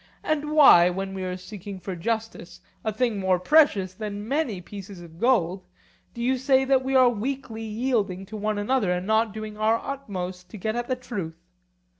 And why, when we are seeking for justice, a thing more precious than many pieces of gold, do you say that we are weakly yielding to one another and not doing our utmost to get at the truth?